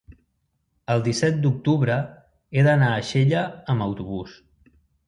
El disset d'octubre he d'anar a Xella amb autobús.